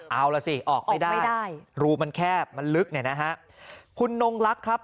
เอาล่ะสิออกไม่ได้รูมันแคบมันลึกเนี่ยนะฮะคุณนงลักษณ์ครับ